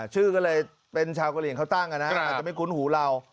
ชื่อก็เลยเป็นชาวกะเหลี่ยงเขาตั้งอาจจะไม่คุ้นหูเรา